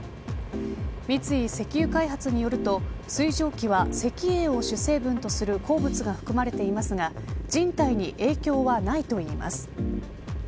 三井石油開発によると水蒸気は石英を主成分とする鉱物が含まれていますが人体に影響はないといいます。